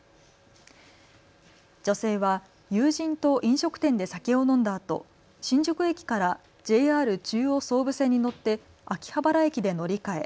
女性は友人と飲食店で酒を飲んだあと新宿駅からＪＲ中央・総武線に乗って秋葉原駅で乗り換え